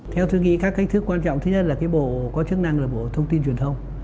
theo tôi nghĩ các cách thức quan trọng thứ nhất là cái bộ có chức năng là bộ thông tin truyền thông